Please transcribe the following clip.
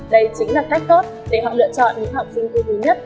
đây chính là cách tốt để họ lựa chọn những học sinh tư vư nhất